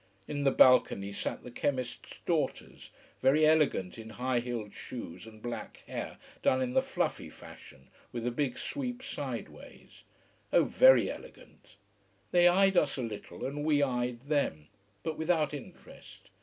In the balcony sat the chemist's daughters, very elegant in high heeled shoes and black hair done in the fluffy fashion with a big sweep sideways. Oh very elegant! They eyed us a little and we eyed them. But without interest.